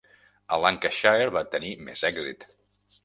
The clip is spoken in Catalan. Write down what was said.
A Lancashire va tenir més èxit.